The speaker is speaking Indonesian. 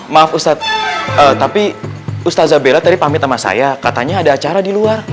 maaf ustadz tapi ustadz zabella tadi pamit sama saya katanya ada acara di luar